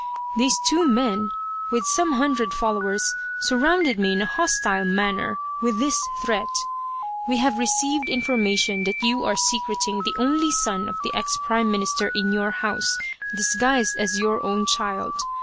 These two men, with some hundred followers, sur rounded me in a hostile manner, with this threat : 200 Loyal, Even Unto Death " We have received information that you are secret ing the only son of the ex Prime Minister in your house, disguised as your own child.